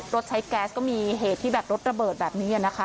รถใช้แก๊สก็มีเหตุที่แบบรถระเบิดแบบนี้นะคะ